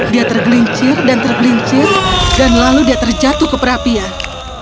dia tergelincir dan tergelincir dan lalu dia terjatuh ke perapian